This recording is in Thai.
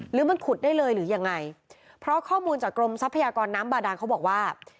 หรือมันขุดได้เลยหรือยังไงเพราะข้อมูลจากกรมทรัพยากรน้ำบาดานเขาบอกว่า